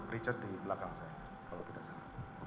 richard di belakang saya kalau tidak salah